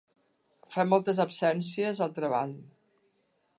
Fer moltes absències al treball.